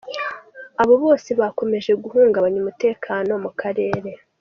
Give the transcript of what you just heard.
Abo bose bakomeje guhungabanya umutekano mu karere.